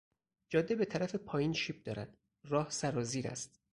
جاده به طرف پایین شیب دارد، راه سرازیر است.